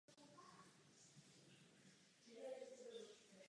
Pochopitelně balíček hospodářské obnovy to nebyl.